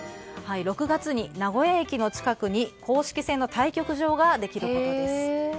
６月に名古屋駅の近くに公式戦の対局場ができることです。